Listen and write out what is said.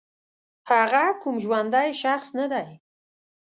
هغه کوم ژوندی شخص نه دی